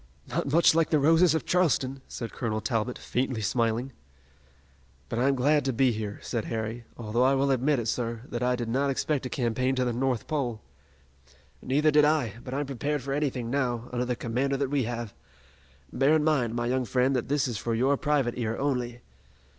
"Not much like the roses of Charleston," said Colonel Talbot, faintly smiling. "But I'm glad to be here," said Harry, "although I will admit, sir, that I did not expect a campaign to the North Pole." "Neither did I, but I'm prepared for anything now, under the commander that we have. Bear in mind, my young friend, that this is for your private ear only."